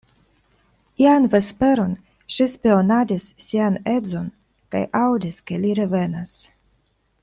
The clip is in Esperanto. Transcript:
Ian vesperon ŝi spionadis sian edzon, kaj aŭdis, ke li revenas.